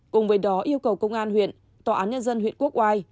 cùng với đó yêu cầu công an huyện tòa án nhân dân huyện quốc oai